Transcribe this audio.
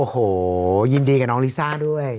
โอ้โหยินดีกับน้องลิซ่าด้วย